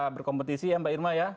berkompetisi ya mbak irma